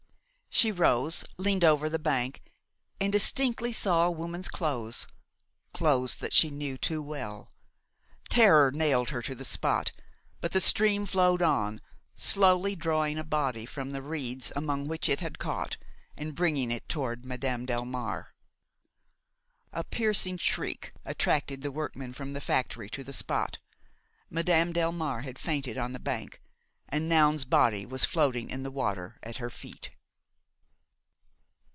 She rose, leaned over the bank and distinctly saw a woman's clothes,–clothes that she knew too well. Terror nailed her to the spot; but the stream flowed on, slowly drawing a body from the reeds among which it had caught, and bringing it toward Madame Delmare. A piercing shriek attracted the workmen from the factory to the spot; Madame Delmare had fainted on the bank, and Noun's body was floating in the water at her feet.